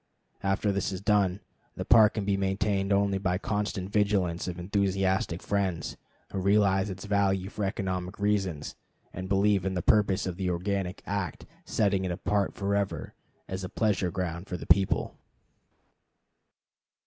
After this is done, the Park can be maintained only by the constant vigilance of enthusiastic friends, who realize its value for economic reasons, and believe in the purposes of the organic act setting it apart forever as a pleasure ground for the people.